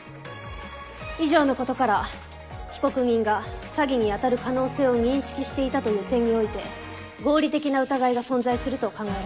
以上のことから被告人が詐欺にあたる可能性を認識していたという点において「合理的な疑い」が存在すると考えられます。